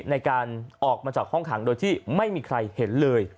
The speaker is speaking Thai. ในการออกมาจากห้องขังโดยที่ไม่มีใครเห็นเลย